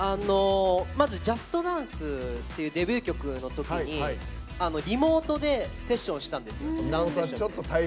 まず「ＪＵＳＴＤＡＮＣＥ！」というデビュー曲のときリモートでセッションをしたんですよ。